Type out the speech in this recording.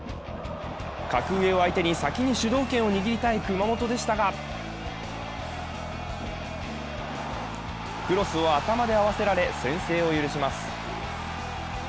格上を相手に先に主導権を握りたい熊本でしたがクロスを頭で合わせられ先制を許します。